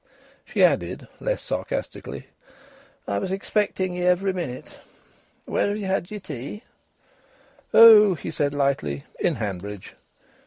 She added, less sarcastically: "I was expecting ye every minute. Where have ye had your tea?" "Oh!" he said lightly, "in Hanbridge."